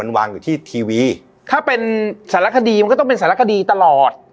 วางอยู่ที่ทีวีถ้าเป็นสารคดีมันก็ต้องเป็นสารคดีตลอด